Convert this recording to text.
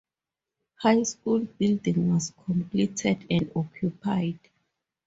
High School building was completed and occupied.